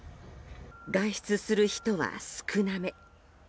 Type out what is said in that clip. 外出する人は少なめ。